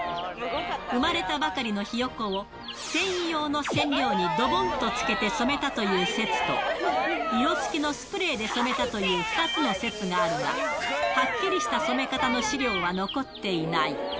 生まれたばかりのひよこを、繊維用の染料にどぼんとつけて染めたという説と、色付きのスプレーで染めたという２つの説があるが、はっきりした染め方の資料は残っていない。